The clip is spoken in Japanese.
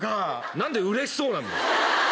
何でうれしそうなんだよ。